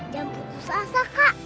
jangan putus asa kak